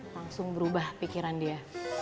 langsung berubah pikiran dia